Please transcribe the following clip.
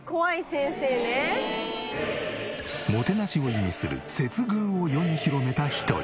もてなしを意味する「接遇」を世に広めた一人。